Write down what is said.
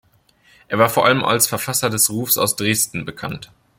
Er war vor allem als Verfasser des Rufes aus Dresden bekannt.